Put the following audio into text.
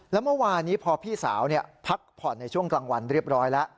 แล้วเมื่อวานี้พอพี่สาวพักผ่อนในช่วงกลางวันเรียบร้อยแล้ว